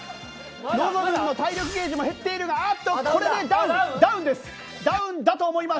のぞむんの体力ゲージも減っているがあっとこれでダウンダウンです。